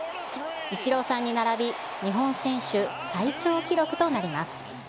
イチローさんに並び、日本選手最長記録となります。